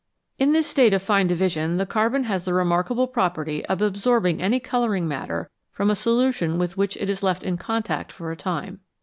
In this state of fine division the carbon has the re markable property of absorbing any colouring matter from a solution with which it is left in contact for a time.